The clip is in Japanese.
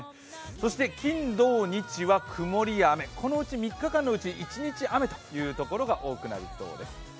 そして金土日は曇りや雨このうち３日間のうち、１日雨というところが多くなりそうです。